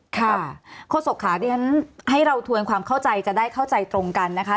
โฆษกค่ะที่ฉันให้เราทวนความเข้าใจจะได้เข้าใจตรงกันนะคะ